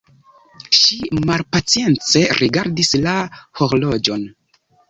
Ŝi malpacience rigardis la horloĝon.